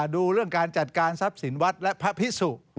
ดูเรื่องการจัดการทรัพย์สินวัดและพระพิสุ